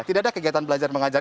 tidak ada kegiatan belajar mengajar